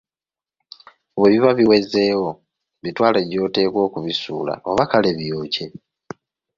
Bwebiba biwezeewo, bitwale gy‘oteekwa okubisuula oba kale byokye.